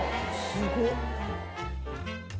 すごっ！